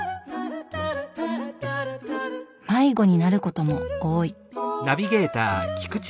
迷子になることも多い。